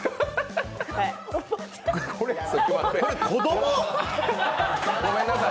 これ子供？